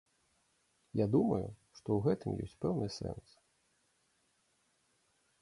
Я думаю, што ў гэтым ёсць пэўны сэнс.